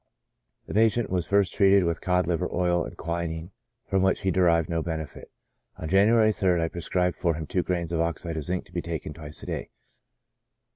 The patient was first treated with cod liver oil and qui nine, from which he derived no benefit. On January 3rd, I prescribed for him two grains of oxide of zinc, to be taken twice a day.